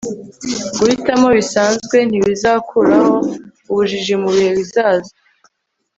guhitamo bisanzwe ntibizakuraho ubujiji mu bihe bizaza